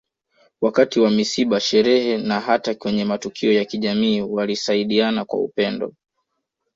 Wakati wa misiba sherehe na hata kwenye matukio ya kijamii walisaidiana kwa upendo